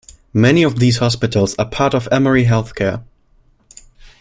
Many of these hospitals are part of Emory Healthcare.